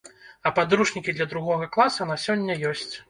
А падручнікі для другога класа на сёння ёсць.